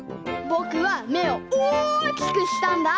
ぼくはめをおおきくしたんだ！